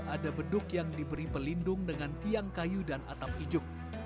ada beduk yang diberi pelindung dengan tiang kayu dan atap ijuk